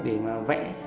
để mà vẽ